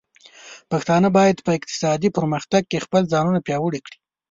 پښتانه بايد په اقتصادي پرمختګ کې خپل ځانونه پياوړي کړي.